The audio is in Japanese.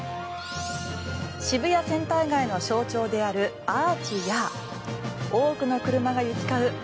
渋谷センター街の象徴であるアーチや多くの車が行き交う